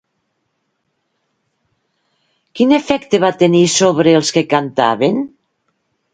Quin efecte va tenir sobre els que cantaven?